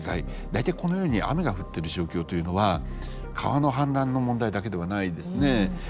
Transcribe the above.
大体このように雨が降ってる状況というのは川の氾濫の問題だけではないんですね。